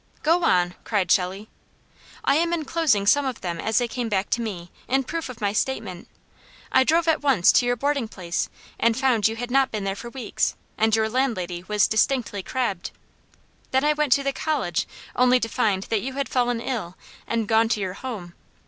"Go on!" cried Shelley. "'I am enclosing some of them as they came back to me, in proof of my statement. I drove at once to your boarding place and found you had not been there for weeks, and your landlady was distinctly crabbed. Then I went to the college, only to find that you had fallen ill and gone to your home.